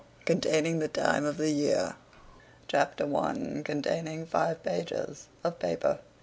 CONTAINING THE TIME OF A YEAR. Chapter i. Containing five pages of paper.